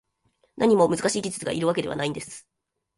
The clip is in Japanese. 何も難しい技術がいるわけではないです